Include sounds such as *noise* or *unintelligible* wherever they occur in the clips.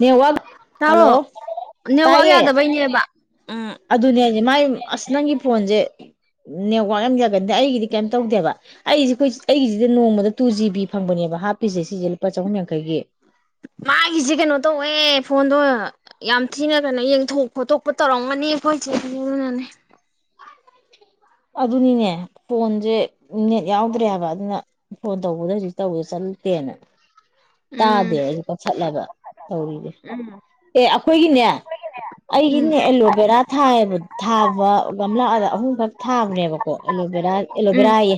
network ꯇꯥꯕꯣ hello network ꯇꯥꯏꯌꯦ ꯌꯥꯗꯕꯩꯅꯦꯕ ꯎꯝ ꯑꯗꯨꯅꯦ ꯍꯥꯏꯖꯦ ꯃꯥꯏ ꯑꯁ ꯅꯪꯒꯤ ꯐꯣꯟꯖꯦ ꯅꯦꯠꯋꯥꯥꯛ ꯌꯥꯝ ꯌꯥꯒꯟꯗꯦ ꯑꯩꯒꯤꯗꯤ ꯀꯩꯝ ꯇꯧꯗꯦꯕ ꯑꯩꯁꯦꯈꯣꯏ ꯑꯩꯒꯤꯁꯤꯗ ꯅꯣꯡꯃꯥꯗ ꯇꯨ ꯖꯤ ꯕꯤ ꯐꯪꯕꯅꯦꯕ ꯍꯥꯞꯄꯤꯁꯦ ꯁꯤꯁꯦ ꯂꯨꯄꯥ ꯆꯍꯨꯝ ꯌꯥꯡꯈꯩꯒꯤ ꯃꯥꯒꯤꯁꯦ ꯀꯩꯅꯣ ꯇꯧꯋꯦ ꯐꯣꯟꯗꯣ ꯌꯥꯝ ꯊꯤꯅ ꯀꯩꯅꯣ ꯌꯦꯡꯊꯣꯛ ꯈꯣꯠꯇꯣꯛꯄ ꯇꯧꯔꯝꯒꯅꯤ ꯑꯩꯈꯣꯏꯆꯦ ꯑꯗꯨꯅꯅꯦ ꯑꯗꯨꯅꯤꯅꯦ ꯐꯣꯟꯁꯦ ꯅꯦꯠ ꯌꯥꯎꯗ꯭ꯔꯦꯕ ꯑꯗꯨꯅ ꯐꯣꯟ ꯇꯧꯕꯗ ꯍꯧꯖꯤꯛ ꯇꯧꯕꯗ ꯆꯠꯇꯦꯅ ꯎꯝ ꯇꯥꯗꯦ ꯑꯩ ꯀꯛꯊꯠꯂꯕ ꯇꯧꯔꯤꯅꯦ ꯑꯦ ꯑꯩꯈꯣꯏꯒꯤꯅꯦ ꯎꯝ ꯑꯩꯒꯤꯅꯦ ꯑꯦꯂꯣꯕꯦꯔꯥ ꯊꯥꯏꯌꯦꯕ ꯊꯥꯕ ꯒꯝꯂꯗ ꯑꯍꯨꯝꯈꯛ ꯊꯥꯒꯔꯦꯕꯀꯣ ꯑꯦꯂꯣ ꯕꯦꯔꯥ ꯎꯝ ꯑꯦꯂꯣꯕꯦꯔꯥꯌꯦ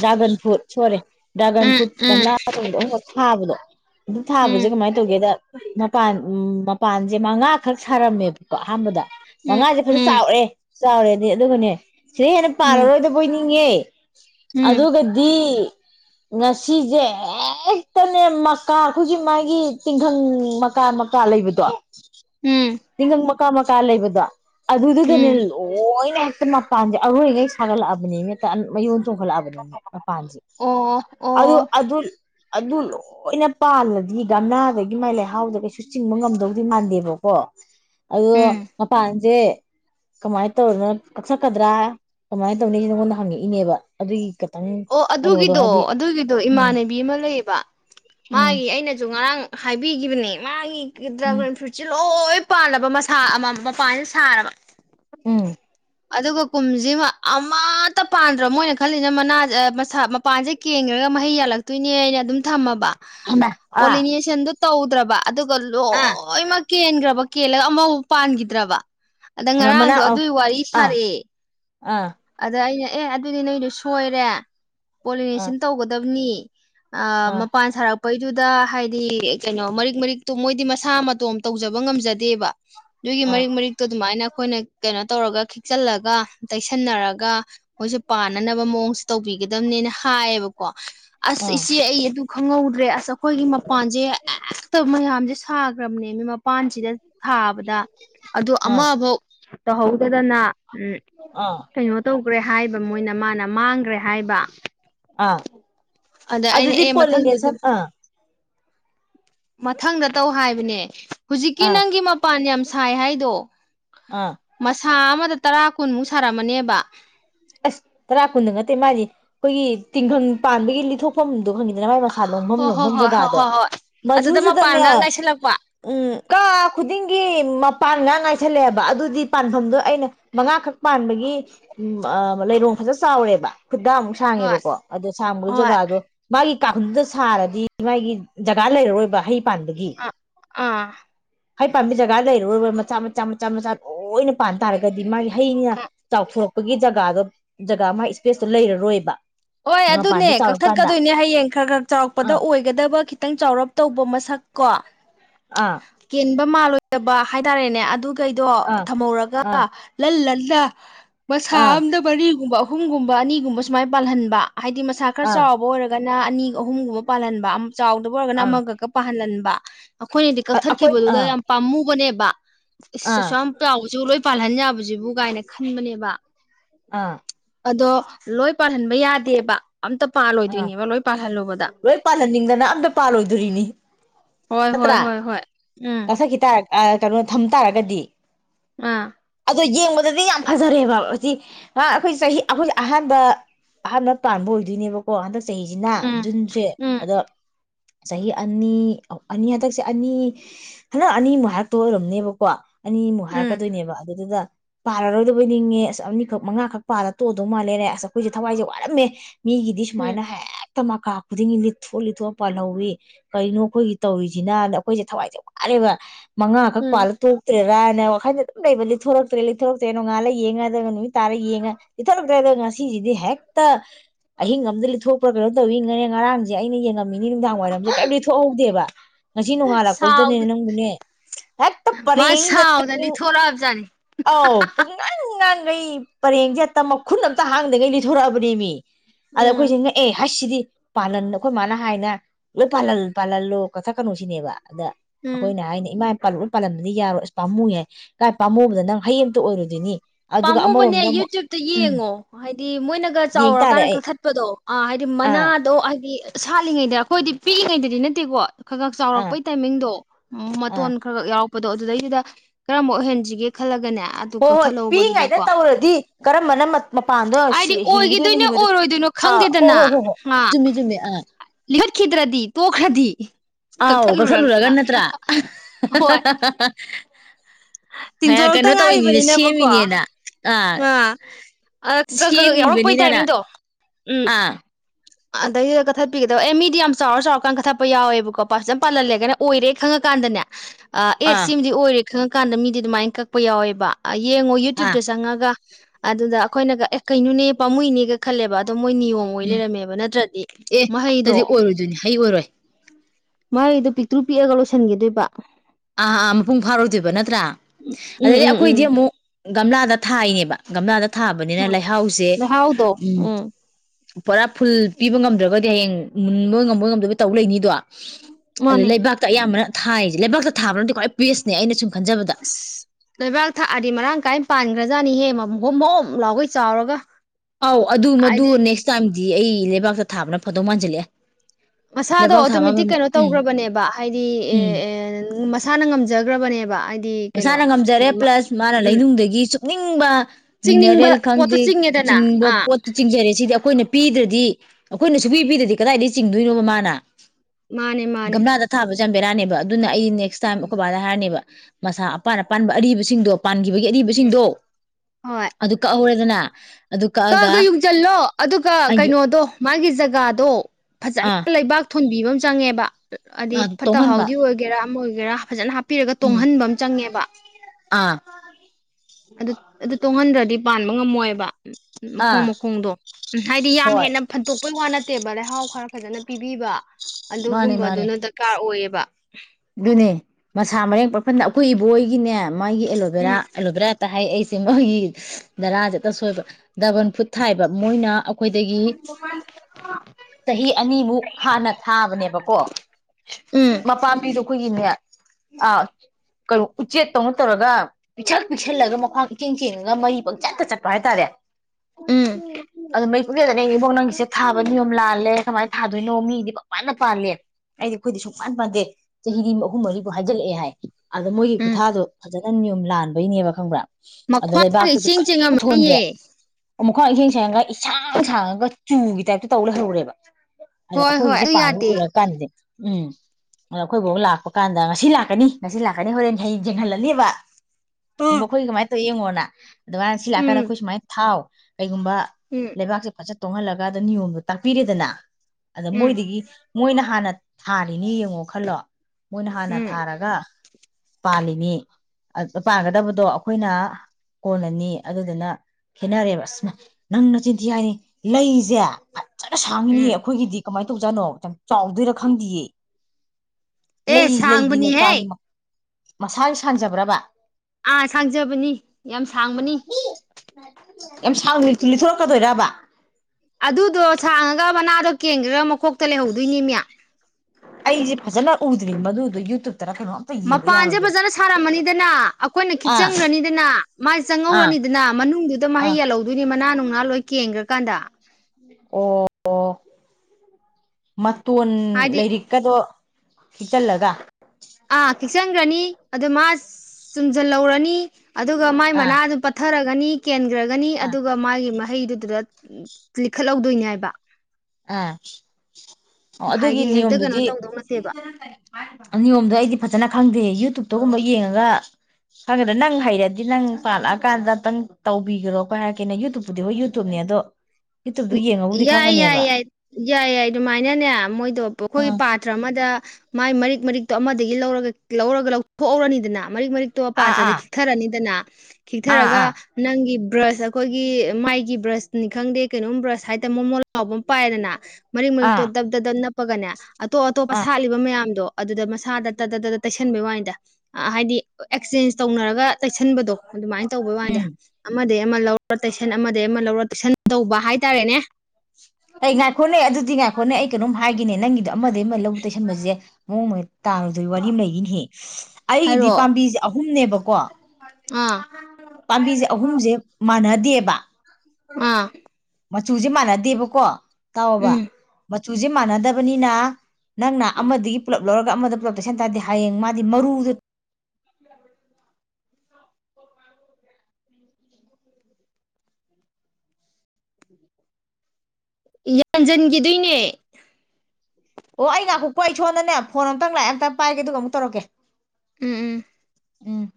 ꯗ꯭ꯔꯥꯒꯟ ꯐ꯭ꯔꯨꯠ ꯁꯣꯏꯔꯦ ꯗ꯭ꯔꯥꯒꯟ ꯎꯝ ꯐ꯭ꯔꯨꯠ ꯒꯝꯂꯥ ꯑꯆꯧꯕꯗ ꯑꯍꯨꯝꯃꯛ ꯊꯥꯕꯗꯣ ꯑꯗꯨ ꯊꯥꯕꯁꯦ ꯎꯝ ꯎꯝ ꯀꯃꯥꯏ ꯇꯧꯒꯦꯗ ꯃꯄꯥꯟ ꯃꯄꯥꯟꯁꯦ ꯃꯉꯥ ꯈꯛ ꯁꯥꯔꯝꯃꯦꯕꯀꯣ ꯑꯍꯥꯟꯕꯗ ꯎꯝ ꯃꯉꯥꯁꯦ ꯐꯖ ꯎꯝ ꯆꯥꯎꯔꯦ ꯆꯥꯎꯔꯦꯅꯦ ꯑꯗꯨꯒꯅꯦ ꯁꯤꯗꯩ ꯍꯦꯟꯅ ꯎꯝ ꯄꯥꯜꯂꯔꯣꯏꯗꯕꯣꯏ ꯅꯤꯡꯉꯦ ꯎꯝ ꯎꯝ ꯑꯗꯨꯒꯗꯤ ꯉꯁꯤꯖꯦ ꯍꯦꯛꯇꯅꯦ ꯃꯁ ꯇꯥꯔꯛꯄꯒꯤ ꯃꯥꯒꯤ ꯇꯤꯡꯈꯪ ꯃꯀꯥ ꯃꯀꯥ ꯂꯩꯕꯗꯣ ꯎꯝ ꯇꯤꯡꯈꯪ ꯃꯀꯥ ꯃꯀꯥ ꯂꯩꯕꯗꯣ ꯑꯗꯨꯗꯨꯗꯅꯦ ꯎꯝ ꯂꯣꯏꯅ ꯍꯦꯛꯇꯥ ꯃꯄꯥꯟꯖ ꯑꯔꯣꯏꯒꯩ ꯁꯥꯒꯠꯂꯛꯑꯕꯅꯦꯃꯦ ꯍꯦꯛꯇ ꯃꯌꯣꯟ ꯆꯣꯡꯈꯠꯂꯛꯑꯕꯅꯤꯃꯤ ꯃꯄꯥꯟꯁꯦ ꯑꯣ ꯑꯗꯨ ꯑꯣ ꯑꯗꯨ ꯑꯗꯨ ꯂꯣꯏꯅ ꯄꯥꯜꯂꯗꯤ ꯒꯝꯂꯗꯒꯤ ꯃꯥꯏ ꯂꯩꯍꯥꯎꯗꯣ ꯀꯩꯁꯨ ꯆꯤꯡꯕ ꯉꯝꯗꯧꯗꯤ ꯃꯥꯟꯗꯦꯕꯀꯣ ꯑꯗꯨ ꯎꯝ ꯃꯄꯥꯟꯖ ꯀꯃꯥꯏ ꯇꯧꯔꯒ ꯀꯛꯆꯛꯀꯗ꯭ꯔꯥ ꯀꯃꯥꯏ ꯇꯧꯅꯤꯖ ꯅꯪꯉꯣꯟꯗ ꯍꯪꯉꯛꯏꯅꯦꯕ ꯑꯗꯨꯒꯤ ꯈꯤꯇꯪ ꯑꯣ ꯀꯩꯅꯣꯗꯣ ꯑꯗꯨꯒꯤꯗꯣ ꯍꯥꯏꯗꯤ ꯑꯗꯨꯒꯤꯗꯣ ꯎꯝ ꯏꯃꯥꯟꯅꯕꯤ ꯑꯃ ꯂꯩꯌꯦꯕ ꯎꯝ ꯃꯥꯒꯤ ꯑꯩꯅꯁꯨ ꯉꯔꯥꯡ ꯍꯥꯏꯕꯤꯒꯤꯕꯅꯦ ꯃꯥꯒꯤ ꯎꯝ ꯗ꯭ꯔꯥꯒꯟ ꯐ꯭ꯨꯔꯠꯁꯤ ꯂꯣꯏ ꯄꯥꯜꯂꯕ ꯃꯁꯥ ꯑꯃ ꯃꯄꯥꯟꯁꯤ ꯁꯥꯔꯕ ꯎꯝ ꯑꯗꯨꯒ ꯀꯨꯝꯁꯤ ꯃꯥ ꯑꯃꯠꯇ ꯄꯥꯟꯗ꯭ꯔꯕ ꯃꯣꯏꯅ ꯈꯜꯂꯤꯖꯤꯅ ꯃꯅꯥꯁ ꯑꯥ ꯃꯁꯥ ꯃꯄꯥꯟꯁꯦ ꯀꯦꯟꯈ꯭ꯔꯒ ꯃꯍꯩ ꯌꯥꯟꯂꯛꯇꯣꯏꯅꯦꯅ ꯑꯗꯨꯝ ꯊꯝꯃꯕ ꯄꯣꯂꯤꯅꯦꯁꯟꯗꯣ *unintelligible* ꯇꯧꯗ꯭ꯔꯕ ꯑꯗꯨꯒ ꯑꯥ ꯂꯣꯏꯃꯛ ꯀꯦꯟꯒ꯭ꯔꯕ ꯀꯦꯜꯂꯒ ꯑꯃꯐꯥꯎ ꯄꯥꯟꯈꯤꯗ꯭ꯔꯕ ꯑꯗ ꯍꯩꯃꯥ ꯃꯅꯥ ꯉꯔꯥꯡꯗꯣ ꯑꯥ ꯑꯗꯨꯒꯤ ꯋꯥꯔꯤ ꯑꯥ ꯁꯥꯔꯛꯑꯦ ꯑꯥ ꯑꯗ ꯑꯩꯅ ꯑꯦ ꯑꯗꯨꯗꯤ ꯅꯣꯏꯗꯣ ꯁꯣꯏꯔꯦ ꯄꯣꯂꯤꯅꯦꯁꯟ ꯇꯧꯒꯗꯕꯅꯤ *inaudible* ꯑ ꯑꯥ ꯃꯄꯥꯟ ꯁꯥꯔꯛ ꯄꯩꯗꯨꯗ ꯍꯥꯏꯗꯤ ꯀꯩꯅꯣ ꯃꯔꯤꯛ ꯃꯔꯤꯛꯇꯣ ꯃꯣꯏꯗꯤ ꯃꯁꯥ ꯃꯇꯣꯝ ꯇꯧꯖꯕ ꯉꯝꯖꯗꯦꯕ ꯅꯣꯏꯒꯤ ꯑꯥ ꯃꯔꯤꯛ ꯃꯔꯤꯇꯣ ꯑꯗꯨ ꯃꯥꯏꯅ ꯑꯩꯈꯣꯏꯅ ꯀꯩꯅꯣ ꯇꯧꯔꯒ ꯇꯛꯆꯜꯂꯒ ꯇꯩꯁꯟꯅꯔꯒ ꯃꯣꯏꯁꯦ ꯄꯥꯟꯅꯕ ꯃꯑꯣꯡꯁꯦ ꯇꯧꯕꯤꯒꯗꯕꯅꯦꯅ ꯍꯥꯏꯌꯦ ꯕꯀꯣ ꯑꯁ ꯑꯥ ꯏꯆꯦ ꯑꯩ ꯑꯗꯨ ꯈꯪꯍꯧꯗ꯭ꯔꯦ ꯑꯁ ꯑꯩꯈꯣꯏꯒꯤ ꯃꯄꯥꯟꯁꯦ ꯍꯦꯛꯇ ꯃꯌꯥꯝꯁꯦ ꯁꯥꯈ꯭ꯔꯕꯅꯦꯃꯤ ꯃꯄꯥꯟꯁꯤꯗ ꯊꯥꯕꯗ ꯑꯗꯨ ꯑꯥ ꯑꯃꯐꯥꯎ ꯇꯧ ꯍꯧꯗꯗꯅ ꯎꯝ ꯑꯥ ꯀꯩꯅꯣ ꯇꯧꯒ꯭ꯔꯦ ꯍꯥꯏꯕ ꯃꯣꯏꯅ ꯃꯥꯅ ꯃꯥꯡꯈ꯭ꯔꯦ ꯍꯥꯏꯕ ꯑꯥ ꯑꯗ ꯑꯩꯅ ꯑꯗꯨꯗꯤ ꯑꯦ ꯃꯊꯪꯗꯤ ꯄꯣꯜꯂꯤꯅꯦꯁꯟ ꯑꯗꯨꯝ ꯑꯥ ꯃꯊꯪꯗ ꯇꯧ ꯍꯥꯏꯕꯅꯦ ꯍꯧꯨꯖꯤꯛꯀꯤ ꯑꯥ ꯅꯪꯒꯤ ꯃꯄꯥꯟ ꯌꯥꯝ ꯁꯥꯏ ꯍꯥꯏꯗꯣ ꯑꯥ ꯃꯁꯥ ꯑꯃ ꯑꯗꯨꯗ ꯇꯔꯥ ꯀꯨꯟꯃꯨꯛ ꯁꯥꯔꯝ ꯃꯅꯦꯕ ꯑꯁ ꯇꯔꯥ ꯀꯨꯟꯗ ꯅꯠꯇꯦ ꯃꯥꯗꯤ ꯑꯩꯈꯣꯏꯒꯤ ꯇꯤꯡꯈꯪ ꯄꯥꯟꯕꯒꯤ ꯂꯤꯊꯣꯛꯐꯝ ꯈꯪꯉꯤꯗꯅ ꯃꯥꯏ ꯃꯁꯥ ꯂꯣꯡꯐꯝ ꯍꯣꯏ ꯍꯣꯏ ꯂꯣꯡꯐꯝ ꯍꯣꯏ ꯍꯣꯏ ꯖꯒꯥꯗꯣ ꯍꯣꯏ ꯍꯣꯏ ꯃꯗꯨ ꯑꯗꯨꯗ ꯗꯨꯗꯅꯦ ꯃꯄꯥꯟꯒ ꯉꯥꯏꯁꯤꯜꯂꯛꯄ ꯎꯝ ꯀꯥ ꯈꯨꯗꯤꯡꯒꯤ ꯃꯄꯥꯟ ꯉꯥꯛ ꯉꯥꯏ ꯁꯜꯂꯛ ꯑꯦꯕ ꯑꯗꯨꯗꯤ ꯄꯥꯟꯐꯝꯗꯣ ꯑꯩꯅ ꯃꯉꯥꯈꯛ ꯄꯥꯟꯕꯒꯤ ꯎꯝ ꯂꯩꯔꯣꯡ ꯐꯖꯟꯅ ꯆꯥꯎꯔꯦꯕ ꯈꯨꯠꯗ ꯃꯨꯛ ꯁꯥꯡ ꯍꯣꯏ ꯉꯦꯕꯀꯣ ꯑꯗꯣ ꯁꯥꯡꯕꯒꯤ ꯍꯣꯏ ꯖꯒꯥꯗꯣ ꯃꯥꯒꯤ ꯀꯥꯞꯗꯨꯗ ꯁꯥꯔꯗꯤ ꯃꯥꯒꯤ ꯖꯒꯥ ꯂꯩꯔ ꯔꯣꯏꯕ ꯍꯩ ꯄꯥꯟꯕꯒꯤ ꯑ ꯑꯥ ꯍꯩ ꯄꯥꯟꯕꯤ ꯖꯒꯥ ꯂꯩꯔ ꯔꯣꯏ ꯃꯆꯥ ꯃꯆꯥ ꯃꯆꯥ ꯃꯆꯥ ꯂꯣꯏꯅ ꯄꯥꯟ ꯇꯥꯔꯒꯗꯤ ꯃꯥꯒꯤ ꯍꯩꯅꯤꯅ ꯆꯥꯎꯊꯣꯔꯛꯄ *unintelligible* ꯖꯒꯥ ꯖꯒꯥꯗꯣ ꯃꯥꯏ ꯏꯁꯄꯦꯁꯇꯣ ꯂꯩꯔ ꯔꯣꯏꯕ ꯍꯣꯏ ꯑꯗꯨꯅꯦ ꯀꯛꯊꯠ ꯀꯗꯣꯏꯅꯦ ꯍꯩꯌꯦꯡ ꯈꯔ ꯈꯔ ꯆꯥꯎꯔꯛꯄꯗ ꯑꯥ ꯑꯣꯏꯒꯗꯕ ꯈꯤꯇꯪ ꯆꯥꯎꯔꯞ ꯇꯧꯕ ꯃꯁꯛ ꯀꯣ ꯑꯥ ꯃꯥꯜ ꯂꯣꯏꯗꯕ ꯍꯥꯏꯇꯥꯔꯦꯅꯦ ꯑꯗꯨꯒꯤ ꯀꯩꯗꯣ ꯑꯥ ꯊꯝꯍꯧꯔꯒ ꯑꯥ ꯂꯟ ꯂꯟ ꯗ ꯃꯁꯥ ꯑꯥ ꯑꯝꯗ ꯃꯔꯤꯒꯨꯝꯕ ꯑꯍꯨꯝꯒꯨꯝꯕ ꯑꯅꯤꯒꯨꯝꯕ ꯁꯨꯃꯥꯏꯅ ꯃꯥꯥꯜꯍꯟꯕ ꯍꯥꯏꯗꯤ ꯃꯁꯥ ꯈꯔ ꯑꯥ ꯆꯥꯎꯕ ꯑꯣꯏꯔꯒ ꯒꯅ ꯑꯅꯤ ꯑꯍꯨꯝꯒꯨꯝꯕ ꯄꯥꯜꯍꯟꯕ ꯆꯥꯎꯗꯕ ꯑꯣꯏꯔꯒꯅ ꯑꯥ ꯑꯃꯈꯛꯀ ꯄꯥꯍꯜꯍꯟꯕ ꯑꯩꯈꯣꯏꯅꯗꯤ ꯑꯩꯈꯣꯏ ꯀꯛꯊꯠꯈꯤꯕꯗꯨꯗ ꯑꯥ ꯌꯥꯝ ꯄꯥꯝꯃꯨꯕꯅꯦꯕ *inaudible* ꯏꯁ ꯑꯥ ꯑꯁꯨꯛꯌꯥꯝ ꯆꯥꯎ ꯨ ꯂꯣꯏ ꯄꯥꯜꯍꯟ ꯌꯥꯕꯁꯤꯕꯨ ꯀꯥꯏꯅ ꯈꯟꯕꯅꯦꯕ ꯑꯥ ꯑꯗꯣ ꯂꯣꯏ ꯄꯥꯜꯍꯟꯕ ꯌꯥꯗꯦꯕ ꯑꯝꯇ ꯑꯥ ꯄꯥꯜꯂꯣꯏꯗꯣꯏꯅꯦꯕ ꯂꯣꯏ ꯄꯥꯜꯍꯜꯂꯨꯕꯗ ꯂꯣꯏ ꯄꯥꯜꯍꯟꯅꯤꯡꯗꯅ ꯑꯝꯇ ꯄꯥꯜꯂꯣꯏꯗꯧꯔꯤꯅꯤ ꯍꯣꯏ ꯍꯣꯏ ꯍꯣꯏ ꯍꯣꯏ ꯎꯝ ꯑꯥ ꯀꯩꯅꯣ ꯊꯝ ꯇꯥꯔꯒꯗꯤ ꯑꯥ ꯌꯦꯡꯕꯗꯗꯤ ꯌꯥꯝ ꯐꯖꯔꯦꯕ ꯑꯁꯤ ꯅ ꯑꯩꯈꯣꯏ ꯆꯍꯤ ꯑꯩꯈꯣꯏ ꯑꯍꯥꯟꯕ ꯑꯍꯥꯟꯕ ꯄꯥꯟꯕ ꯑꯣꯏꯗꯣꯏꯅꯦꯕꯀꯣ ꯍꯟꯗꯛ ꯆꯍꯤꯁꯤꯅ ꯎꯝ ꯖꯨꯟꯁꯦ ꯎꯝ ꯑꯗꯣ ꯆꯍꯤ ꯑꯅꯤ ꯑꯅꯤ ꯍꯟꯗꯛꯁꯦ ꯑꯅꯤ ꯍꯟꯗꯛ ꯑꯅꯤꯃꯨꯛ ꯍꯥꯏꯔꯛꯇꯣꯏ ꯑꯣꯏꯔꯝꯅꯦꯕꯀꯣ ꯑꯅꯤꯃꯨꯛ ꯎꯝ ꯍꯥꯏꯔꯛꯀꯗꯣꯏꯅꯦꯕ ꯑꯗꯨꯗꯨꯗ ꯄꯥꯜꯂꯔꯣꯏꯗꯕꯣꯏ ꯅꯤꯡꯉꯦ ꯑꯁ ꯑꯅꯤꯈꯛ ꯃꯉꯥꯈꯛ ꯄꯥꯜꯂ ꯇꯣꯛꯑꯗꯧ ꯃꯥꯜꯂꯦꯔꯦ ꯑꯁ ꯑꯩꯈꯣꯏꯁꯦ ꯊꯋꯥꯏꯁꯦ ꯋꯥꯔꯝꯃꯦ ꯃꯤꯒꯤꯗꯤ ꯎꯝ ꯁꯨꯃꯥꯏꯅ ꯍꯦꯛ ꯍꯦꯛꯇ ꯃꯀꯥ ꯈꯨꯗꯤꯡꯒꯤ ꯂꯤꯠꯊꯣꯛ ꯂꯤꯠꯊꯣꯛ ꯄꯥꯜꯍꯧꯋꯤ ꯀꯩꯅꯣ ꯑꯩꯈꯣꯏꯒꯤ ꯇꯧꯔꯤꯁꯤꯅꯅ ꯑꯩꯈꯣꯏꯁꯦ ꯊꯋꯥꯏꯁꯦ ꯋꯥꯔꯦꯕ ꯃꯉꯥ ꯈꯛ ꯎꯝ ꯄꯥꯜꯂ ꯇꯣꯛꯇꯔꯦ ꯋꯥꯈꯟꯗ ꯑꯗꯨꯝ ꯂꯩꯕ ꯂꯤꯠꯊꯣꯔꯛꯇ꯭ꯔꯦ ꯂꯤꯊꯣꯔꯛꯇ꯭ꯔꯦ ꯅꯣꯡꯉꯥꯜꯂ ꯌꯦꯡꯉ ꯑꯗꯨꯒ ꯅꯨꯃꯤꯠ ꯇꯥꯔ ꯌꯦꯡꯉ ꯂꯤꯊꯣꯔꯛꯇ꯭ꯔꯦ ꯑꯗꯨꯒ ꯉꯁꯤꯁꯤꯗꯤ ꯍꯦꯛꯇ ꯑꯍꯤꯡ ꯑꯃꯗ ꯂꯤꯠꯊꯣꯛꯄ꯭ꯔꯥ ꯀꯩꯅꯣꯝ ꯇꯧꯋꯤꯅꯦ ꯉꯔꯥꯡꯁꯦ ꯑꯩꯅ ꯌꯦꯡꯉꯝꯃꯤꯅꯤ ꯅꯨꯡꯗꯥꯡ ꯋꯥꯏꯔꯝꯁꯦ ꯀꯔꯤꯝ ꯂꯤꯊꯣꯛꯍꯧꯗꯦꯕ ꯉꯁꯤ ꯅꯣꯡꯉꯥꯜꯂꯛꯄꯁꯤꯗꯅꯦ ꯁꯥꯎꯗ ꯅꯪꯕꯨꯅꯦ ꯍꯦꯛꯇ ꯃꯥ ꯄꯔꯦꯡꯁꯤꯗ ꯁꯥꯎꯗ ꯄꯨꯡ ꯂꯤꯊꯣꯔꯛꯑꯕꯖꯥꯠꯅꯤ ꯑꯥꯎ ꯄꯨꯡꯉꯥꯟ ꯄꯔꯦꯡꯁꯦ ꯍꯦꯛꯇ ꯃꯈꯨꯟ ꯑꯝꯇ ꯍꯥꯡꯗꯉꯩ ꯂꯤꯠꯊꯣꯔꯛꯑꯕꯅꯤ ꯃꯤ ꯑꯗ ꯎꯝ ꯑꯩꯈꯣꯏꯁꯦ ꯉꯛꯑꯦ ꯍꯁꯁꯤꯗꯤ ꯄꯥꯜꯂꯟ ꯑꯩꯈꯣꯏ ꯃꯥꯅ ꯍꯥꯏꯅ ꯂꯣꯏ ꯄꯥꯜꯍꯟ ꯄꯥꯜꯍꯜꯂꯣ ꯀꯊꯛꯀꯅꯣ ꯁꯤꯅꯦꯕ ꯑꯗ ꯎꯝ ꯑꯩꯈꯣꯏꯅ ꯍꯥꯏꯅ ꯏꯃꯥ ꯄꯥꯜꯂꯛꯎ ꯄꯥꯍꯟꯕꯗꯤ ꯌꯥꯔꯣꯏ ꯑꯁ ꯄꯥꯃꯨꯌꯦ ꯀꯥꯏ ꯄꯥꯝꯃꯨꯕꯗ ꯅꯪ ꯍꯩ ꯑꯝꯇ ꯑꯣꯏꯔꯣꯏꯗꯣꯏꯅꯤ ꯑꯗꯨꯒ ꯄꯥꯝꯃꯨꯕꯅꯦ ꯑꯃꯔꯣꯝꯗ ꯑꯃꯨꯛ ꯌꯨꯇ꯭ꯌꯨꯞꯇ ꯎꯝ ꯌꯦꯡꯉꯣ ꯍꯥꯏꯗꯤ ꯃꯣꯏꯅꯒ ꯌꯦꯡ ꯇꯥꯔꯦ ꯆꯥꯎꯔꯀꯥꯟꯗ ꯑꯩ ꯀꯛꯊꯠꯄꯗꯣ ꯑꯥ ꯍꯥꯏꯗꯤ ꯑꯥ ꯃꯅꯥꯗꯣ ꯍꯥꯏꯗꯤ ꯁꯥꯠꯂꯤꯉꯩꯗ ꯑꯩꯈꯣꯏꯗꯤ ꯄꯤꯛꯂꯤꯉꯩꯗꯗꯤ ꯅꯠꯇꯦꯀꯣ ꯈꯛ ꯈꯛ ꯑꯥ ꯆꯥꯎꯔꯛꯄꯩ ꯇꯥꯏꯃꯤꯡꯗꯣ ꯑꯥ ꯃꯇꯣꯟ ꯈꯔ ꯈꯔ ꯌꯥꯎꯔꯛ ꯄꯣꯗꯣ ꯑꯗꯨꯗꯩꯗꯨꯗ ꯀꯔꯝꯕ ꯑꯣꯏꯍꯟꯁꯤꯒꯦ ꯈꯜꯂꯒꯅꯦ ꯑꯗꯨ ꯀꯛꯊꯠꯍꯧꯕ ꯄꯤꯛꯂꯤꯉꯩꯗ ꯇꯧꯔꯗꯤ ꯀꯔꯝꯕꯅ ꯃꯄ ꯃꯄꯥꯟꯗꯣ ꯍꯥꯏꯗꯤ ꯁꯤ ꯍꯤꯡꯈꯤꯗꯣꯏꯅꯣ ꯑꯣꯏꯒꯤꯗꯣꯏꯅꯣ ꯍꯤꯡꯉꯣꯏꯗꯣꯏ ꯑꯣꯏꯔꯣꯏꯗꯣꯏꯅꯣ ꯑꯥ ꯍꯣ ꯈꯪꯗꯦꯗꯅ ꯍꯣ ꯍꯣ ꯍꯣ ꯑ ꯆꯨꯝꯃꯤ ꯆꯨꯝꯃꯤ ꯑꯥ ꯂꯤꯈꯠꯈꯤꯗ꯭ꯔꯗꯤ ꯇꯣꯛꯈ꯭ꯔꯗꯤ ꯑꯥꯎ ꯀꯛꯊꯠꯂꯨꯔꯒ ꯅꯠꯇ꯭ꯔꯥ ꯑꯍꯥ ꯍ ꯍ ꯍ ꯍ ꯇꯤꯟꯗꯣꯔꯛꯇ ꯇꯧꯔꯤꯅꯤꯅ ꯉꯥꯏꯔꯤꯕꯅꯤꯅꯕꯀꯣ ꯁꯦꯝꯃꯤꯅꯦꯅ ꯑꯥ ꯑ ꯈ ꯈꯔ ꯌꯥꯎꯔꯛꯄꯩ ꯁꯦꯝꯃꯤꯕꯅꯤꯅꯅ ꯇꯥꯏꯃꯤꯡꯗꯣ ꯑꯥ ꯑꯗꯩ ꯀꯊꯠꯄꯤꯒꯗꯧꯕ ꯑꯦ ꯃꯤꯗꯤ ꯌꯥꯝ ꯆꯥꯎꯔ ꯆꯥꯎꯔꯀꯥꯟ ꯀꯠꯊꯠꯄ ꯌꯥꯎꯋꯦꯕꯀꯣ ꯄꯥ ꯐꯖ ꯄꯥꯜꯍꯜꯂꯦ ꯒꯥꯏꯅ ꯑꯣꯏꯔꯦ ꯈꯪꯉ ꯀꯥꯟꯗꯅꯦ ꯑꯦ ꯑꯥ ꯁꯤꯃꯗꯤ ꯑꯣꯏꯔꯤ ꯈꯪꯉꯀꯥꯟꯗ ꯃꯤꯗꯤ ꯑꯗꯨꯃꯥꯏꯅ ꯀꯛꯄ ꯌꯥꯎꯋꯦꯕ ꯌꯦꯡꯉꯣ ꯑꯥ ꯌꯨꯇ꯭ꯌꯨꯨꯞꯇ ꯆꯪꯉꯒ ꯑꯗꯨꯗ ꯑꯩꯈꯣꯏꯅꯒ ꯑꯦ ꯀꯩꯅꯣꯅꯦ ꯄꯥꯝꯃꯨꯏꯅꯦꯒ ꯈꯜꯂꯦꯕ ꯑꯗꯣ ꯃꯣꯏ ꯅꯤꯌꯣꯝ ꯑꯣꯏ ꯎꯝ ꯂꯩꯔꯝꯃꯦꯕ ꯅꯠꯇ꯭ꯔꯗꯤ ꯑꯦ ꯑꯗꯨꯗꯤ ꯃꯍꯩꯗꯣ ꯑꯣꯏꯔꯣꯏꯗꯣꯏꯅꯦ ꯍꯩ ꯑꯣꯏꯔꯣꯏ ꯃꯥꯒꯤꯗꯣ ꯄꯤꯛꯇ꯭ꯔꯨ ꯄꯤꯛꯑꯒ ꯂꯣꯏꯁꯤꯟꯈꯤꯗꯣꯏꯕ ꯑꯥ ꯑ ꯑꯥ ꯃꯄꯨꯡ ꯐꯥꯔꯣꯏꯗꯣꯏꯕ ꯅꯠꯇ꯭ꯔꯥ ꯎꯝ ꯑꯗꯨꯗꯩꯗꯤ ꯎꯝ ꯎꯝ ꯑꯩꯈꯣꯏꯗꯤ ꯑꯃꯨꯛ ꯒꯝꯂꯥꯗ ꯊꯥꯏꯅꯦꯕ ꯒꯝꯂꯥꯗ ꯊꯥꯕꯅꯤꯅ ꯍꯣꯏ ꯂꯩꯍꯥꯎꯁꯦ ꯎꯝ ꯄꯨꯔꯥ ꯐꯨꯜ ꯄꯤꯕ ꯉꯝꯗ꯭ꯔꯒꯗꯤ ꯍꯌꯦꯡ ꯃꯨꯟꯕ ꯉꯝꯕ ꯉꯝꯗꯕꯣꯏ ꯇꯧ ꯂꯩꯅꯤꯗꯣ ꯑꯗ ꯃꯥꯅꯦ ꯂꯩꯕꯥꯛꯇ ꯑꯌꯥꯝꯕꯅ ꯊꯥꯏꯖꯦ ꯂꯩꯕꯥꯛꯇ ꯊꯥꯕꯅꯗꯤ ꯈ꯭ꯋꯥꯏ ꯕꯦꯁꯅꯦ ꯑꯩꯅ ꯁꯨꯝ ꯈꯟꯖꯕꯗ ꯑꯁ ꯂꯩꯕꯥꯛ ꯊꯥꯛꯑꯗꯤ ꯃꯔꯥꯡ ꯀꯥꯏꯅ ꯄꯥꯟꯈ꯭ꯔꯖꯥꯠꯅꯤ ꯍꯦ ꯃ ꯍꯣꯝ ꯍꯣꯝ ꯂꯥꯎꯒꯩ ꯆꯥꯎꯔꯒ ꯑꯥꯎ ꯑꯗꯨ ꯃꯗꯨ ꯍꯥꯏꯗꯤ ꯅꯦꯛꯁ ꯇꯥꯏꯝꯗꯤ ꯑꯩ ꯂꯩꯕꯥꯛꯇ ꯊꯥꯕꯅ ꯐꯗꯧ ꯃꯥꯟꯖꯤꯜꯂꯛꯑꯦ ꯃꯁꯥꯗꯣ ꯑꯣꯇꯣꯃꯦꯇꯤꯛ ꯀꯩꯅꯣ ꯇꯧꯈ꯭ꯔꯕꯅꯦꯕ ꯍꯥꯏꯗꯤ ꯑꯦ ꯎꯝ ꯑꯦ ꯃꯁꯥꯅ ꯉꯝꯖꯈ꯭ꯔꯕꯅꯦꯕ ꯀ ꯑꯩ ꯃꯁꯥꯅ ꯉꯝꯖꯔꯦ ꯄ꯭ꯂꯁ ꯃꯥꯅ ꯂꯩꯅꯨꯡꯗꯒꯤ ꯅꯤꯡꯕ ꯆꯤꯡꯅꯤꯡꯕ ꯃꯤꯅꯔꯦꯜ ꯄꯣꯠꯇꯣ ꯈꯪꯗꯦ ꯆꯤꯡꯉꯦꯗꯅ ꯆꯤꯡꯕ ꯑꯥ ꯄꯣꯠ ꯆꯤꯡꯖꯔꯦ ꯁꯤꯗꯤ ꯑꯩꯈꯣꯏꯅ ꯄꯤꯗ꯭ꯔꯗꯤ ꯑꯩꯈꯣꯏꯅ ꯁꯨꯄꯤ ꯄꯤꯗ꯭ꯔꯗꯤ ꯀꯗꯥꯏꯗꯒꯤ ꯆꯤꯡꯗꯣꯏ ꯅꯣꯕ ꯃꯥꯅ ꯃꯥꯅꯦ ꯃꯥꯅꯦ ꯒꯝꯂꯥꯗ ꯊꯥꯕꯁꯦ ꯌꯥꯝ ꯕꯦꯔꯥ ꯅꯦꯕ ꯑꯗꯨꯅ ꯑꯩ ꯅꯦꯛꯁ ꯇꯥꯏꯝ ꯑꯩꯈꯣꯏ ꯕꯥꯗ ꯍꯥꯏꯔ ꯅꯦꯕ *inaudible* ꯃꯁꯥ ꯑꯄꯥꯟ ꯑꯄꯥꯟꯕ ꯑꯔꯤꯕ ꯁꯤꯡꯗꯣ ꯄꯥꯟꯒꯤꯕꯒꯤ ꯑꯔꯤꯕꯁꯤꯡꯗꯣ ꯑꯗꯨ ꯀꯛ ꯍꯧꯔꯦ ꯑꯗꯨꯅ ꯀꯛꯒ ꯌꯨꯡꯁꯤꯜꯂꯣ ꯑꯗꯨꯒ ꯑꯩ ꯀꯩꯅꯣꯗꯣ ꯃꯥꯒꯤ ꯖꯒꯥꯗꯣ ꯐꯖꯅ ꯑꯥ ꯂꯩꯕꯥꯛ ꯍꯨꯟꯕꯤꯕ ꯑꯃ ꯆꯪ ꯉꯦꯕ ꯑꯗꯤ ꯑ ꯐꯠꯇ ꯇꯣꯡꯍꯟꯕ ꯍꯥꯎꯗꯤ ꯑꯣꯏ ꯒꯦꯔꯥ ꯑꯃ ꯑꯣꯏꯒꯦꯔꯥ *unintelligible* ꯍꯥꯞꯄꯤꯔꯒ ꯎꯝ ꯇꯣꯡꯍꯟꯕ ꯑꯃ ꯆꯪꯉꯦꯕ ꯑꯥ ꯑꯗꯨ ꯇꯣꯡ ꯍꯟꯗ꯭ꯔꯗꯤ ꯄꯥꯟꯕ ꯉꯝ ꯃꯣꯏꯕ ꯃꯈꯣꯡ ꯑꯥ ꯃꯈꯣꯡꯗꯣ ꯎꯝ ꯍꯥꯏꯗꯤ ꯌꯥꯝ ꯍꯣꯏ ꯍꯦꯟꯅ ꯐꯟ ꯇꯣꯛꯄꯩ ꯋꯥ ꯅꯠꯇꯦꯕ ꯂꯩꯍꯥꯎ ꯈꯔ ꯐꯖꯅ ꯄꯤ ꯄꯤꯕ ꯑꯗꯨ ꯃꯥꯅꯦ ꯃꯥꯅꯦ ꯒꯨꯝꯕꯗꯨꯅ ꯗꯔꯀꯥꯔ ꯑꯣꯏꯌꯦꯕ ꯑꯗꯨꯅꯦ ꯃꯁꯥ ꯃꯔꯦꯡ ꯄꯛ ꯐꯟꯗ ꯑꯩꯈꯣꯏ ꯏꯕꯣ ꯍꯣꯏꯒꯤꯅꯦ ꯃꯥꯒꯤ ꯑꯦꯂꯣꯕꯦꯔꯥ ꯎꯝ ꯑꯦꯂꯣꯕꯦꯔꯥ ꯇ ꯍꯥꯏ ꯑꯩꯁꯦ ꯃꯣꯏꯒꯤ ꯗꯔꯥꯗ ꯍꯦꯛꯇ ꯁꯣꯏꯕ ꯗ꯭ꯔꯥꯏꯒꯟ ꯐ꯭ꯔꯨꯠ ꯊꯥꯏꯕ ꯃꯣꯏꯅ ꯑꯩꯈꯣꯏꯗꯒꯤ ꯆꯍꯤ ꯑꯅꯤ ꯃꯨꯛ ꯍꯥꯟꯅ ꯊꯥꯕꯅꯦꯕꯀꯣ ꯎꯝ ꯃꯄꯥꯝꯕꯤꯗꯣ ꯑ ꯀꯩꯅꯣ ꯎꯆꯦꯠ ꯇꯧꯅ ꯇꯧꯔꯒ ꯄꯛꯤꯁꯛ ꯄꯤꯛꯁꯜꯂꯒ ꯃꯈ꯭ꯋꯥꯡ ꯏꯆꯦꯡ ꯆꯦꯡꯉꯥꯒ ꯃꯔꯤ ꯄꯪꯆꯠꯇ ꯆꯠꯄ ꯍꯥꯏ ꯇꯥꯔꯦ ꯎꯝ *inaudible* ꯑꯗꯨ ꯃꯔꯤ ꯄꯨꯡꯆꯠ ꯆꯠꯂꯦ ꯏꯕꯣꯛ ꯅꯪꯒꯤꯁꯦ ꯊꯥꯕ ꯅꯤꯌꯣꯝ ꯂꯥꯜꯂꯦ ꯀꯃꯥꯏꯅ ꯊꯥꯗꯣꯏꯅꯣ ꯃꯤꯗꯤ ꯄꯪꯄꯥꯟꯗ ꯄꯥꯜꯂꯦ ꯑꯩꯗꯤ ꯑꯩꯈꯣꯏꯗꯤ ꯁꯨꯛꯄꯥꯟ ꯄꯥꯟꯗꯦ ꯆꯍꯤꯗꯤ ꯑꯍꯨꯝ ꯃꯔꯤ ꯐꯥꯎ ꯍꯥꯏꯖꯤꯜ ꯂꯛꯑꯦ ꯍꯥꯏ ꯑꯗꯨ ꯃꯣꯏꯒꯤ ꯎꯝ ꯈꯨꯊꯥꯗꯣ ꯐꯖꯅ ꯅꯪ ꯅꯤꯌꯣꯝ ꯂꯥꯟ ꯕꯩꯅꯦꯕ ꯈꯪꯕ꯭ꯔꯥ ꯑꯗ ꯃꯈ꯭ꯋꯥꯡ ꯏꯆꯦꯡ ꯆꯦꯡ ꯉꯝꯃꯅꯤꯌꯦ ꯑꯣ ꯃꯈ꯭ꯋꯥꯡ ꯏꯆꯦꯡ ꯆꯦꯡꯑꯒ ꯏꯁꯥꯡ ꯁꯥꯡꯉꯥꯒ ꯆꯨꯒꯤ ꯇꯥꯏꯞꯇ ꯇꯧ ꯂꯩꯍꯧꯔꯦꯕ ꯑꯗ ꯍꯣꯏ ꯍꯣꯏ ꯑꯩꯈꯣꯏꯒꯤꯁꯦ ꯑꯗꯨ ꯄꯥꯟꯕ ꯌꯥꯗꯦ ꯎꯔꯥ ꯀꯥꯟꯗ ꯎꯝ ꯑꯩꯈꯣꯏ ꯕꯣꯛ ꯂꯥꯛꯄ ꯀꯥꯟꯗ ꯉꯁꯤ ꯂꯥꯛꯀꯅꯤ ꯉꯁꯤ ꯂꯥꯛꯀꯅꯤ ꯍꯣꯔꯦꯟ ꯍꯩꯌꯦꯡ ꯌꯦꯡꯍꯜꯂꯅꯦꯕ *unintelligible* *unintelligible* ꯎꯝ ꯎꯝ *unintelligible* ꯀꯩꯒꯨꯝꯕ ꯎꯝ ꯂꯩꯕꯥꯛꯁꯦ ꯐꯖꯠ ꯇꯣꯡꯍꯜꯂꯒꯗ ꯅꯤꯌꯣꯝꯗꯣ ꯇꯥꯛꯄꯤꯔꯦꯗꯅ ꯑꯗ ꯎꯝ ꯃꯣꯏꯗꯒꯤ ꯃꯣꯏꯅ ꯍꯥꯟꯅ ꯊꯥꯔꯤꯅꯤ ꯌꯦꯡꯉꯣ ꯈꯜꯂꯣ ꯃꯣꯏꯅ ꯍꯥꯟꯅ ꯎꯝ ꯊꯥꯔꯒ ꯄꯥꯜꯂꯤꯅꯤ ꯑꯥꯗ ꯄꯥꯜꯒꯗꯕꯗꯣ ꯑꯩꯈꯣꯏꯅ ꯀꯣꯟꯂꯅꯤ ꯑꯗꯨꯗꯨꯅ ꯈꯦꯠꯅꯔꯦꯕ ꯑꯁ ꯅꯪ ꯅꯆꯤꯟ ꯊꯤ ꯍꯥꯏꯅꯤ ꯂꯩꯁꯦ ꯐꯖꯅ ꯁꯥꯡꯉꯤꯅꯦꯍꯦ ꯎꯝ ꯑꯩꯈꯣꯏꯒꯤꯗꯤ ꯀꯃꯥꯏ ꯇꯧꯖꯥꯠꯅꯣ ꯌꯥꯝ ꯆꯥꯎꯗꯣꯏꯔꯥ ꯈꯪꯗꯤꯌꯦ ꯑꯦ ꯁꯥꯡꯕꯅꯤꯍꯦ ꯃꯁꯥꯏ ꯁꯥꯡꯖꯕ꯭ꯔꯕ ꯑꯥ ꯁꯥꯡꯖꯕꯅꯤ ꯌꯥꯝ ꯁꯥꯡꯕꯅꯤ ꯌꯥꯝ ꯁꯥꯡꯅ ꯂꯤ ꯂꯤꯊꯣꯔꯛꯀꯗꯣꯏꯔꯕ ꯑꯗꯨꯗꯣ ꯁꯥꯡꯉꯒ ꯃꯅꯥꯗꯣ ꯀꯦꯟꯈ꯭ꯔꯒ ꯃꯈꯣꯛꯇꯣ ꯂꯩꯍꯧꯗꯣꯏꯅꯤ ꯃꯤ ꯑꯩꯁꯦ ꯐꯖꯅ ꯎꯗ꯭ꯔꯤ ꯃꯗꯨꯗꯨ ꯌꯨꯇꯨꯞ ꯃꯄꯥꯟꯁꯦ ꯐꯖꯅ ꯁꯥꯔꯝꯃꯅꯤꯗꯅ ꯑꯩꯈꯣꯏꯅ ꯑꯥ ꯈꯤꯛꯆꯪꯈ꯭ꯔꯅꯤꯗꯅ ꯃꯥꯏ ꯑꯥ ꯆꯪꯍꯧꯔꯅꯤꯗꯅ ꯃꯅꯨꯡꯗꯨꯗ ꯑꯥ ꯃꯍꯩ ꯌꯥꯜꯍꯧꯗꯣꯏꯅꯦ ꯃꯅꯥ ꯅꯨꯡ ꯥ ꯂꯣꯏ ꯀꯦꯟꯒ꯭ꯔꯀꯥꯟꯗ ꯑꯣ ꯑꯣ ꯃ ꯇꯣꯟ ꯍꯥꯏꯗꯤ ꯂꯩꯔꯤꯛꯀꯗꯣ ꯍꯤꯆꯜꯂꯒ ꯑꯥ ꯈꯤꯛꯆꯪꯈ꯭ꯔꯅꯤ ꯑꯗ ꯃꯥꯁ ꯆꯨꯝꯖꯤꯜꯍꯧꯔꯅꯤ ꯑꯗꯨꯒ ꯃꯥꯏ ꯑꯥ ꯃꯅꯥꯗꯨ ꯄꯠꯊꯔꯛ *unintelligible* ꯀꯦꯟꯈ꯭ꯔꯒꯅꯤ ꯑꯥ ꯑꯗꯨꯒ ꯃꯥꯒꯤ ꯃ ꯍꯩꯗꯨꯗꯨꯗ ꯂꯤꯈꯠꯍꯧꯗꯣꯏꯅꯦ ꯍꯥꯏꯕ ꯑꯥ ꯑꯣ ꯑꯗꯨꯒꯤ ꯍꯥꯏꯗꯤ ꯍꯦꯛꯇ ꯀꯩꯅꯣ ꯅꯤꯌꯣꯝꯗꯨꯗꯤ ꯇꯧꯗꯧ ꯅꯠꯇꯦꯕ ꯅꯤꯌꯣꯝꯗꯣ ꯑꯩꯗꯤ ꯐꯖꯅ ꯈꯪꯗꯦ ꯌꯨꯇꯨꯞꯇꯒꯨꯝꯕ ꯌꯦꯡꯉꯒ ꯈꯪꯒꯗ꯭ꯔ ꯅꯪ ꯍꯩꯔꯗꯤ ꯅꯪ ꯄꯥꯜꯂꯛꯑꯀꯥꯟꯗ ꯕꯟ ꯇꯧꯕꯤꯒꯦꯔꯣꯀꯣ ꯈꯣꯏ ꯍꯥꯏꯔꯛꯀꯦꯅꯦ ꯌꯨꯇꯨꯞꯄꯨꯗꯤ ꯍꯣꯏ ꯌꯨꯇꯨꯞꯅꯦ ꯑꯗꯣ ꯌꯨꯇꯨꯞꯇꯣ ꯌꯦꯡꯉꯕꯨꯗꯤ ꯌꯥꯏ ꯈꯪꯉꯅꯦꯕ ꯌꯥꯏ ꯌꯥꯏ ꯌꯥꯏ ꯌꯥꯏ ꯑꯗꯨꯃꯥꯏꯅꯅꯦ ꯃꯣꯏꯗꯣ ꯑꯩꯈꯣꯏꯒꯤ ꯑꯥ ꯄꯥꯇ꯭ꯔ ꯑꯃꯗ ꯃꯥꯏ ꯃꯔꯤꯛ ꯃꯔꯤꯛꯇꯣ ꯑꯃꯗꯒꯤ ꯂꯧꯔꯒ ꯂꯧꯔꯒ ꯂꯧꯊꯣꯛꯍꯧꯔꯅꯤꯗꯅ ꯃꯔꯤꯛ ꯃꯔꯤꯛꯇꯣ ꯄꯥꯇ꯭ꯔꯗ ꯑꯥ ꯈꯤꯛꯊꯔꯅꯤꯗꯅ ꯑꯥ ꯈꯤꯛꯊꯔꯒ ꯑꯥ ꯅꯪꯒꯤ ꯕ꯭ꯔꯁ ꯑꯩꯈꯣꯏꯒꯤ ꯃꯥꯏꯒꯤ ꯕ꯭ꯔꯁꯅꯤ ꯈꯪꯗꯦ ꯀꯩꯅꯣꯝ ꯕ꯭ꯔꯁ ꯍꯥꯏꯇꯥ ꯃꯣꯃꯣ ꯂꯥꯎꯕ ꯑꯃ ꯄꯥꯏꯔꯦꯗꯅ ꯑꯥ ꯑꯥ *unintelligible* ꯄꯒꯅꯦ ꯑꯇꯣꯞ ꯑꯇꯣꯞꯄ ꯑꯥ ꯁꯥꯠꯂꯤꯕ ꯃꯌꯥꯝꯗꯣ ꯑꯗꯨꯗ ꯃꯁꯥꯗ ꯇ ꯇ ꯇꯇ ꯇꯩꯁꯟꯕꯩ ꯋꯥꯅꯤꯗ ꯍꯥꯏꯗꯤ ꯑꯦꯛꯆꯦꯟꯁ ꯇꯧꯅꯔꯒ ꯇꯩꯁꯟꯕꯗꯣ ꯑꯗꯨꯃꯥꯏ ꯇꯧꯕꯩ ꯋꯥꯅꯤꯗ ꯎꯝ ꯑꯃ ꯑ ꯑꯃ ꯂꯧꯔ ꯇꯩꯁꯟ ꯑꯃꯗꯩ ꯑꯃ ꯂꯧꯔ ꯇꯩꯁꯟ ꯇꯧꯕ ꯍꯥꯏꯇꯥꯔꯦꯅꯦ ꯑꯩ ꯉꯥꯏꯈꯣꯠꯅꯦ ꯑꯗꯨꯗꯤ ꯉꯥꯏꯈꯣꯠꯅꯦ ꯑꯩ ꯀꯩꯅꯣꯝ ꯍꯥꯏ ꯑꯩꯒꯤꯅꯦ ꯅꯪꯒꯤꯗꯣ ꯑꯃ ꯑꯃ ꯂꯧ ꯇꯩꯁꯟꯕꯁꯦ ꯃꯑꯣꯡ ꯇꯥꯡꯔꯣꯏꯗꯣꯏ ꯋꯥꯔꯤ ꯑꯃ ꯂꯩꯔꯤꯅꯦꯍꯦ ꯑꯩꯒꯤꯗꯤ ꯍꯥꯏꯔꯛꯑꯣ ꯄꯥꯝꯕꯤꯁꯦ ꯑꯍꯨꯝꯅꯦꯕꯀꯣ ꯀꯣ ꯑꯥ ꯄꯥꯝꯕꯤꯁꯦ ꯑꯍꯨꯝꯁꯦ ꯃꯥꯟꯅ ꯗꯦꯕ ꯑꯥ ꯃꯆꯨꯁꯦ ꯃꯥꯟꯅꯗꯦꯕꯀꯣ ꯇꯑꯣꯕ ꯎꯝ ꯃ ꯆꯨꯁꯦ ꯃꯥꯟꯅꯗꯕꯅꯤꯅ ꯅꯪꯅ ꯑꯃꯗꯒꯤ ꯄꯨꯂꯞ ꯂꯧꯔꯒ ꯑꯃꯗ ꯄꯨꯂꯞ ꯇꯩꯁꯟ ꯇꯥꯔꯗꯤ ꯍꯌꯦꯡ ꯃꯥꯗꯤ ꯃꯔꯨꯗ ꯌꯥꯟꯖꯟꯒꯤꯗꯣꯏꯅꯦ ꯑꯣ ꯑꯩ ꯉꯥꯈꯣꯀꯣ ꯑꯩ ꯁꯣꯟꯗꯅꯦ ꯐꯣꯟ ꯑꯝꯇꯪ ꯂꯥꯛꯑꯦ ꯑꯝꯇ ꯄꯥꯏꯒꯦ ꯑꯗꯨꯒ ꯑꯃꯨꯛ ꯇꯧꯔꯛꯀꯦ ꯎꯝ ꯎꯝ ꯎꯝ